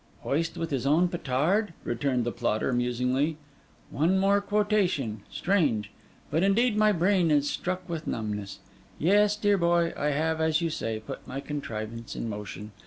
'"Hoist with his own petard?"' returned the plotter musingly. 'One more quotation: strange! But indeed my brain is struck with numbness. Yes, dear boy, I have, as you say, put my contrivance in motion.